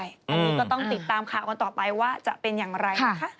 อันนี้ก็ต้องติดตามข่าวกันต่อไปว่าจะเป็นอย่างไรนะคะ